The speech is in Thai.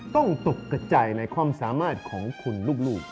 ตกกระจายในความสามารถของคุณลูก